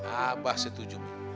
abah setuju mi